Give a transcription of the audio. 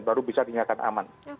baru bisa dinyatakan aman